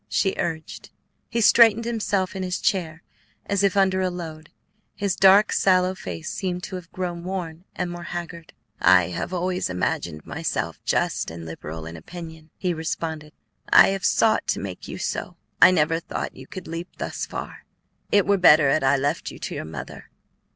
she urged. He straightened himself in his chair as if under a load. His dark, sallow face seemed to have grown worn and more haggard. "I have always imagined myself just and liberal in opinion," he responded; "I have sought to make you so. I never thought you could leap thus far. It were better had I left you to your mother.